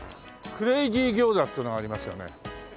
「クレイジー餃子」っていうのがありますよね。